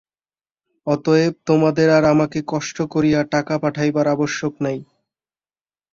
অতএব তোমাদের আর আমাকে কষ্ট করিয়া টাকা পাঠাইবার আবশ্যক নাই।